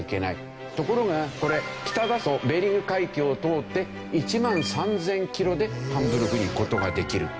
ところがこれ北だとベーリング海峡を通って１万３０００キロでハンブルクに行く事ができる。